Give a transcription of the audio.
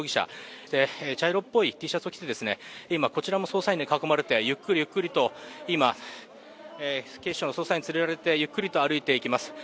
茶色っぽいＴシャツを着て今、こちらも捜査員に囲まれて、警視庁の捜査員に連れられてゆっくりと歩いて行きます。